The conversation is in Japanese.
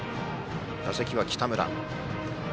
打席は北村。